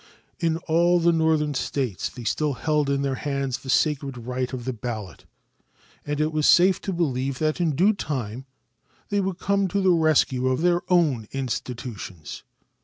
In all the Northern States they still held in their hands the sacred right of the ballot, and it was safe to believe that in due time they would come to the rescue of their own institutions.